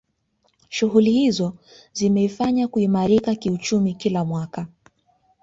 Shughuli hizo zimeifanya kuimarika kiuchumi kila mwaka